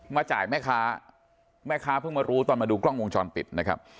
จ่ายแม่ค้าแม่ค้าเพิ่งมารู้ตอนมาดูกล้องวงจรปิดนะครับ